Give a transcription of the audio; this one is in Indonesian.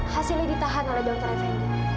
hasilnya ditahan oleh dr effendi